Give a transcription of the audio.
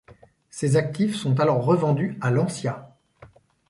Ses actifs sont alors revendus à Lancia.